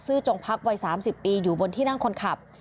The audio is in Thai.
จงพักวัย๓๐ปีอยู่บนที่นั่งคนขับ